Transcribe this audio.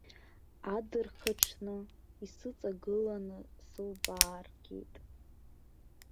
Адырхаҽны исыҵагыланы сылбааргеит.